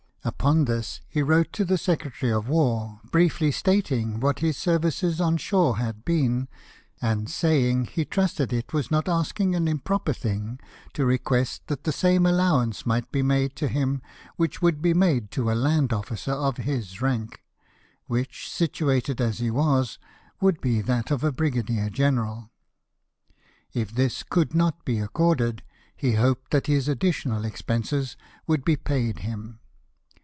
Upon this he wrote to the Secretary at War, briefly statmg what his services on shore had been, and saying he trusted it was not asking an improper thing to request that the same allowance might be made to him which would be made to a land officer of his rank, which, situated as he was, would be that of a brigadier general ; if this could not be accorded, he hoped that his additional expenses would be paid him.